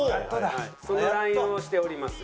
そのＬＩＮＥをしております。